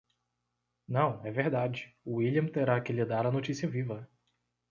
Não, é verdade, William terá que lhe dar a notícia viva.